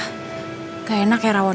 kamu suka banget makan rawon